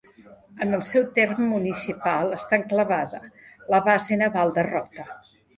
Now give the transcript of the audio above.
En el seu terme municipal està enclavada la Base Naval de Rota.